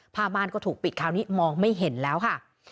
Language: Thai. ผ้าบ้านก็ถูกปิดคราวนี้มองไม่เห็นแล้วค่ะ